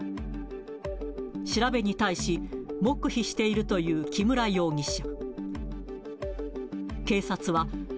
調べに対し、黙秘しているという木村容疑者。